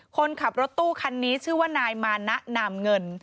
คนขับรถตู้คันนี้ชื่อว่านายมานะนามเงิน